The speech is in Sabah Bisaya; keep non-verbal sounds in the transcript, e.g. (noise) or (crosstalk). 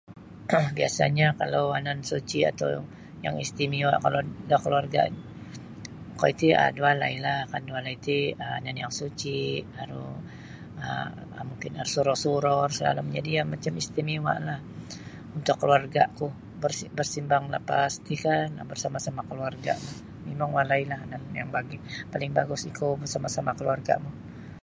(coughs) Biasa'nyo kalau anan suci' atau yang istimewa kolod da keluarga' okoi ti um da walailah kan da walai ti um yanan yang suci' aru um mungkin aru surau-surau da salalum jadi' iyo macam istimewalah untuk keluarga'ku bersimbang lapas ti kan bersama-sama' keluarga' mimang walailah yanan paling bagus ikou barsama-sama' keluarga'mu.